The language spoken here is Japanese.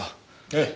ええ。